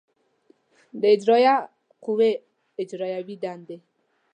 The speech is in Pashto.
د اجرایه قوې اجرایوې دندې